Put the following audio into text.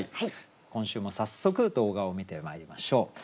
今週も早速動画を観てまいりましょう。